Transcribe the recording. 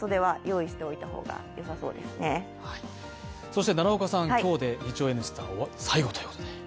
そして奈良岡さん、今日で日曜「Ｎスタ」最後ということで。